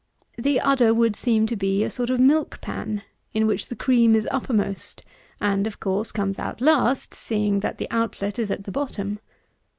The udder would seem to be a sort of milk pan in which the cream is uppermost, and, of course, comes out last, seeing that the outlet is at the bottom.